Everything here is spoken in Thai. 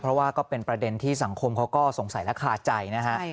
เพราะว่าก็เป็นประเด็นที่สังคมเขาก็สงสัยและคาใจนะฮะ